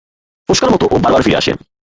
ফোস্কার মতো ও বারবার ফিরে আসে!